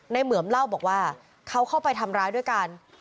เหมือมเล่าบอกว่าเขาเข้าไปทำร้ายด้วยกัน